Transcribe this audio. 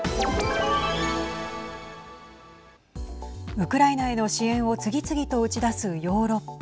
ウクライナへの支援を次々と打ち出すヨーロッパ。